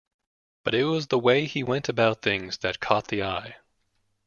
But it was the way he went about things that caught the eye.